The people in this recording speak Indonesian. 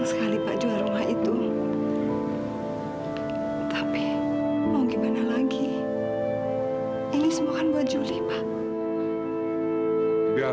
sampai jumpa di video selanjutnya